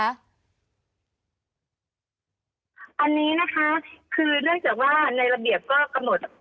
อันนี้นะคะคือเนื่องจากว่าในระเบียบก็กำหนด